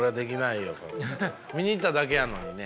見に行っただけやのにね。